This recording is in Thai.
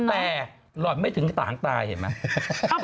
แต่หล่อนไม่ถึงกระงตายเห็นไหม